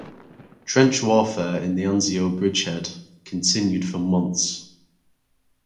Trench warfare in the Anzio bridgehead continued for months.